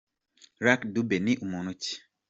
Lucky Dube ni muntu ki ?.